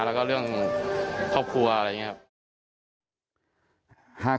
แล้วก็เรื่องครอบครัวอะไรอย่างนี้ครับ